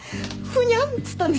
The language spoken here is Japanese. ふふにゃん。